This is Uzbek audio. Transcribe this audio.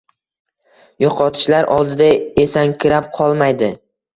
Yoʻqotishlar oldida esankirab qolmaydi